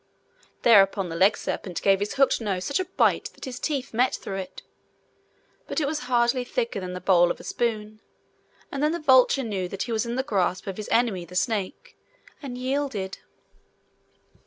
Thereupon the legserpent gave his hooked nose such a bite that his teeth met through it but it was hardly thicker than the bowl of a spoon; and then the vulture knew that he was in the grasp of his enemy the snake, and yielded.